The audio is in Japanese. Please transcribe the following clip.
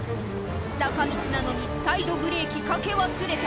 「坂道なのにサイドブレーキかけ忘れた」